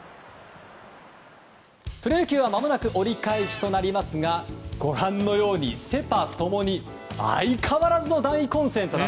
プロ野球はまもなく折り返しとなりますがご覧のようにセ・パ共に相変わらずの大混戦です。